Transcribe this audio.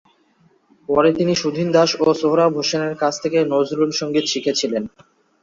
পরে তিনি সুধীন দাশ ও সোহরাব হোসেনের কাছ থেকে নজরুল সংগীত শিখেছিলেন।